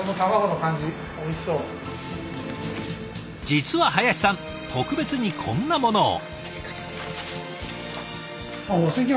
実は林さん特別にこんなものを。